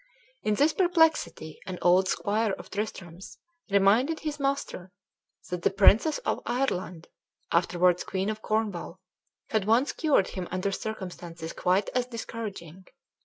In this perplexity, an old squire of Tristram's reminded his master that the princess of Ireland, afterwards queen of Cornwall, had once cured him under circumstances quite as discouraging.